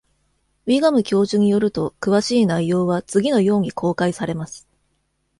ウィガム教授によると、詳しい内容は次のように公開されます。